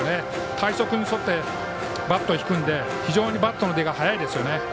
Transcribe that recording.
体側に沿ってバットを引くのでバットの出が速いです。